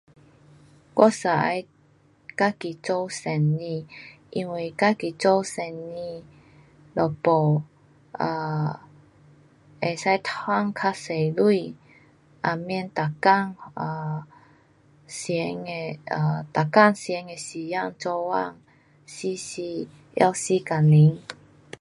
我是要自己做生意，因为自己做生意，若没，啊，可以赚较多钱。也免每天啊，同的啊每天同的时间做工，死死，拿死工钱。